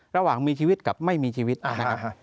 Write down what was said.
ระหว่างมีชีวิตกับไม่มีชีวิตนะครับ